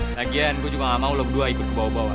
lagian gue juga gak mau lo berdua ikut ke bawah bawah